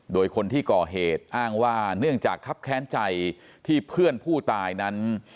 โดยคนที่ก่อเหตุอ้างว่าเนื่องจากครับแค้นใจที่เพื่อนผู้ตายนั้น